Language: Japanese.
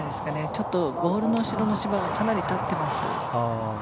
ちょっとボールの後ろの芝がかなり立ってます。